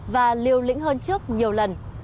và liêu lĩnh hơn trước nhiều lần